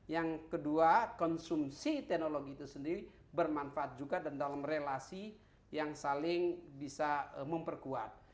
yang kedua konsumsi teknologi itu sendiri bermanfaat juga dan dalam relasi yang saling bisa memperkuat